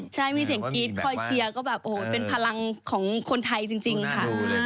ใช่มีเสียงกรี๊ดคอยเชียร์ก็แบบโอ้โหเป็นพลังของคนไทยจริงค่ะ